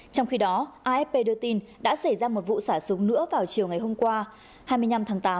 trong khi đó afp đưa tin đã xảy ra một vụ xả súng nữa vào chiều ngày hôm qua hai mươi năm tháng tám